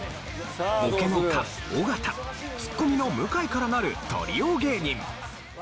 ボケの菅尾形ツッコミの向井からなるトリオ芸人。